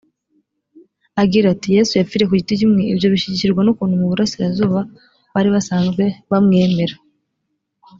agira ati yesu yapfriye ku giti kimwe ibyo bishyigikirwa n’ukuntu mu burasirazuba bari basanzwe bamwemera